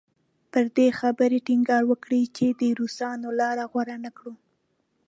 پر دې خبرې ټینګار وکړي چې د روسانو لاره غوره نه کړو.